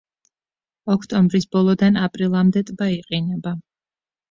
ოქტომბრის ბოლოდან აპრილამდე ტბა იყინება.